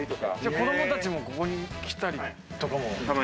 子供たちもここに来たりとかも。